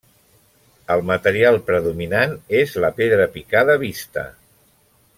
El material predominant és la pedra picada vista.